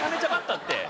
って。